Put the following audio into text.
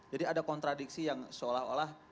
jadi ada kontradiksi yang seolah olah